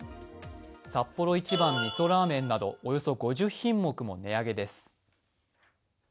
サッポロ一番みそラーメンなどおよそ５０品目を値上げです。